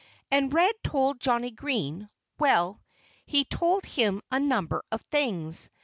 And Red told Johnnie Green well, he told him a number of things.